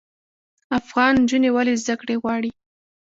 افغان نجونې ولې زده کړې غواړي؟